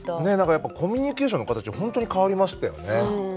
やっぱコミュニケーションの形が本当に変わりましたよね。